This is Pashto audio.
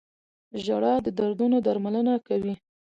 • ژړا د دردونو درملنه کوي.